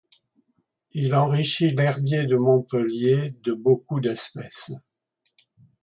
Il enrichit l’herbier de Montpellier de beaucoup d’espèces.